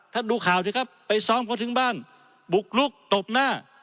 ดูข่าวสิครับไปซ้อมเขาถึงบ้านบุกลุกตบหน้า